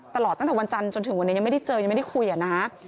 ตลอดตั้งแต่วันจันทร์จนถึงวันนี้ยังไม่ได้เจอยังไม่ได้คุยนะ